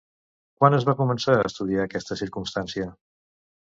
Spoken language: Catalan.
Quan es va començar a estudiar aquesta circumstància?